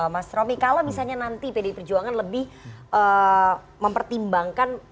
mas romy kalau misalnya nanti pdi perjuangan lebih mempertimbangkan